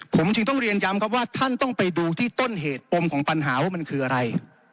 ผมจึงต้องเรียนย้ำครับว่าท่านต้องไปดูที่ต้นเหตุปมของปัญหาว่ามันคืออะไร